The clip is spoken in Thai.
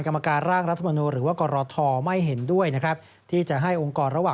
กตบอกไว้ดังนั้นสิ่งที่ไม่แน่ใจก็ไม่ควรทำ